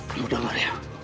lu dengar ya